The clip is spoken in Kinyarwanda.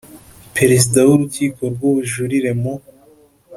perezida w urukiko rw ubujurire mu